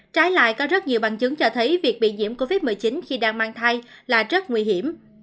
trái lại có rất nhiều bằng chứng cho thấy việc bị nhiễm covid một mươi chín khi đang mang thai là rất nguy hiểm